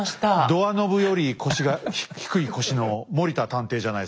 ドアノブより腰が低い腰の森田探偵じゃないですか。